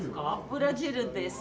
ブラジルです。